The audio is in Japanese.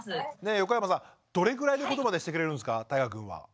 横山さんどれぐらいのことまでしてくれるんですかたいがくんは。